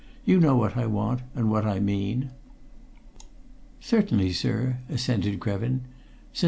"You know what I want, and what I mean." "Certainly, sir," assented Krevin. "St.